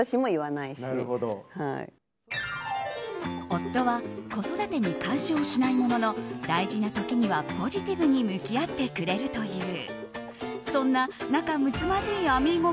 夫は子育てに干渉しないものの大事な時にはポジティブに向き合ってくれるという。